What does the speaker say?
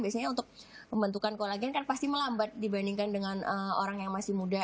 biasanya untuk pembentukan kolagen kan pasti melambat dibandingkan dengan orang yang masih muda